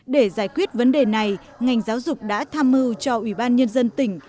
để giải quyết vấn đề này ngành giáo dục đã tham mưu cho ủy ban nhân dân tỉnh